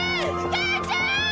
母ちゃん！